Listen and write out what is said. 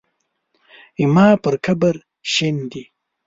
زما پر قبر شیندي